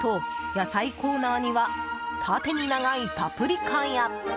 野菜コーナーには縦に長いパプリカや。